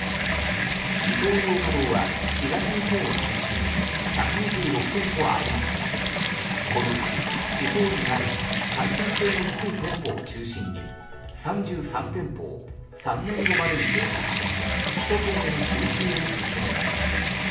イトーヨーカドーは東日本を中心に１２６店舗ありますがこのうち地方にある採算性の低い店舗を中心に３３店舗を３年後までに閉鎖して首都圏への集中を進めます。